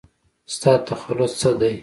ستا تخلص څه دی ؟